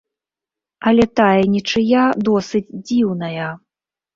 Але тая нічыя досыць дзіўная.